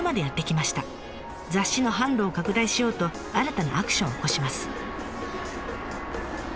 雑誌の販路を拡大しようと新たなアクションを起こします。